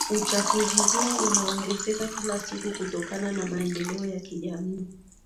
Uchafuzi huu unaongezeka kila siku kutokana na maendeleo ya kijamii